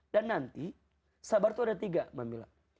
dan nanti sabar itu ada tiga mam mila